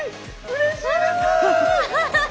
うれしいです！